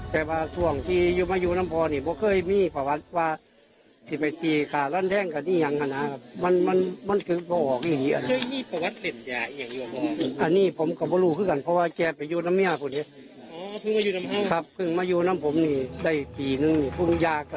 อ๋อเพิ่งมายุน้ำผมก็ได้๑ปีนึงลูกพึ่งยากกันกับแฟน